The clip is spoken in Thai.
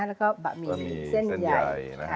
แล้วก็บะหมี่เส้นใหญ่